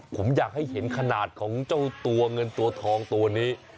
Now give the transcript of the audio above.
ผมอยากให้เห็นขนาดของเจ้าตัวเงินตัวทองตัวนี้